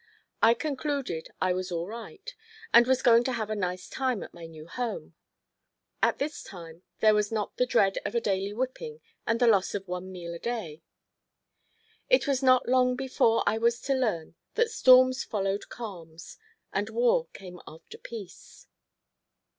I concluded I was all right and was going to have a nice time at my new home. At this time there was not the dread of a daily whipping and the loss of one meal a day. It was not long before I was to learn that storms followed calms, and war came after peace.